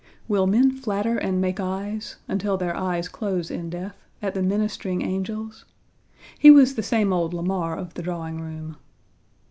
Will men flatter and make eyes, until their eyes close in death, at the ministering angels? He was the same old Lamar of the drawing room.